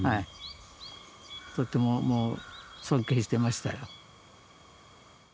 とっても尊敬してましたよ。